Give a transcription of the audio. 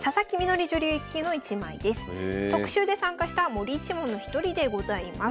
特集で参加した森一門の一人でございます。